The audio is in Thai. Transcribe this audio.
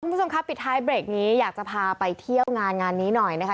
คุณผู้ชมครับปิดท้ายเบรกนี้อยากจะพาไปเที่ยวงานงานนี้หน่อยนะคะ